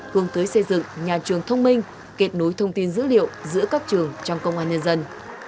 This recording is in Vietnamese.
hướng tới xây dựng nhà trường thông minh kết nối thông tin dữ liệu giữa các trường trong công an nhân dân